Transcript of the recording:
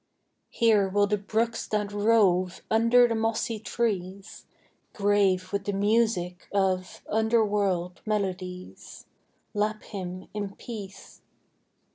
Here will the brooks that rove Under the mossy trees, Grave with the music of Underworld melodies, Lap him in peace.